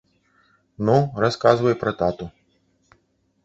Ну, расказвай пра тату.